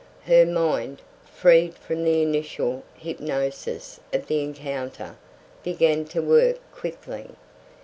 Her mind, freed from the initial hypnosis of the encounter, began to work quickly.